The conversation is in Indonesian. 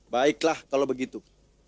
baiklah kalau begitu